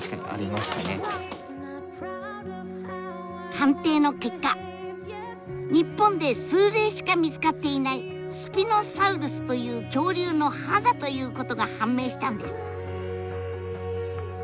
鑑定の結果日本で数例しか見つかっていないスピノサウルスという恐竜の歯だということが判明したんです！